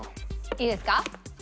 いいですか？